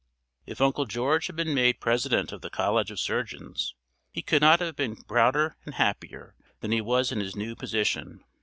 If Uncle George had been made president of the College of Surgeons, he could not have been prouder and happier than he was in his new position.